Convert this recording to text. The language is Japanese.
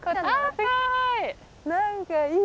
すごい！